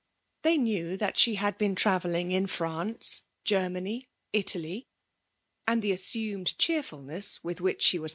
They knew that she had been, travelling in. France, Germany, Italy ;— and the assumed cheexfiilness with which she was.